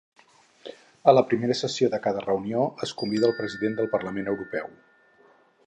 A la primera sessió de cada reunió es convida al President del Parlament Europeu.